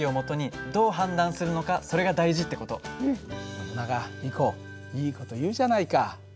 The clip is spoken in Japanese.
ノブナガリコいい事言うじゃないか。